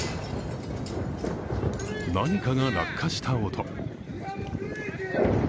何かが落下した音。